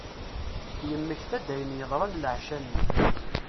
Yemmekta-d ayen yeḍran laɛca-nni.